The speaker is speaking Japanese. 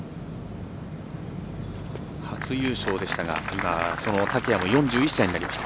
初優勝でしたが竹谷も４１歳になりました。